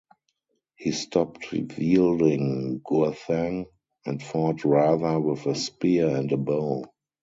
He stopped wielding Gurthang and fought rather with a spear and a bow.